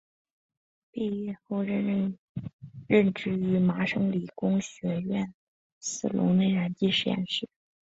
毕业后任职于麻省理工学院斯龙内燃机实验室。